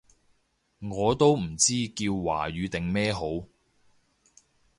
我都唔知叫華語定咩好